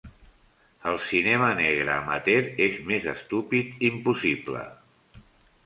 El cinema negre amateur és més estúpid impossible.